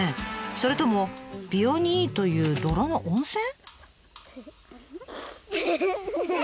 それとも美容にいいという泥の温泉？